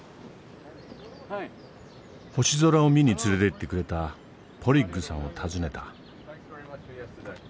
星空を見に連れていってくれたポリッグさんを訪ねた。